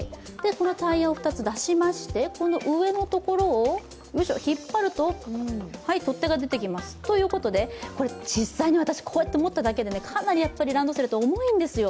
このタイヤを２つ出しまして、上のところを引っ張ると、取っ手が出てきます、ということでこれ、実際に私、こうやって持っただけでかなりランドセル、重いんですよ。